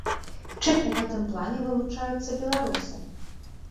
Чым у гэтым плане вылучаюцца беларусы?